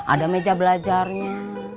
ada meja belajarnya